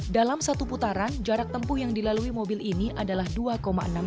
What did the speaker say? dalam satu putaran jarak tempuh yang dilalui mobil ini adalah dua enam km